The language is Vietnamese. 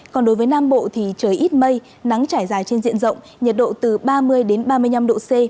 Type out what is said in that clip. còn đối với nam bộ thì trời ít mây nắng trải dài trên diện rộng nhiệt độ từ ba mươi ba mươi năm độ c